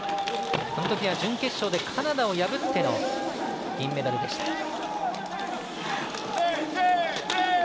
そのときには準決勝でカナダを破ってからの銀メダルでした。